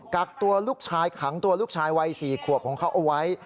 กักตัวลูกชายขังตัวลูกชายวัย๔ขวบของเขาเอาไว้